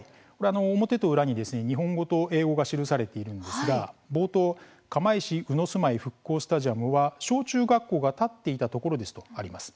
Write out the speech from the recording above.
表と裏に日本語と英語が記されているんですが、冒頭釜石鵜住居復興スタジアムは小中学校が建っていたところですとあります。